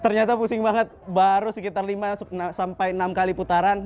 ternyata pusing banget baru sekitar lima sampai enam kali putaran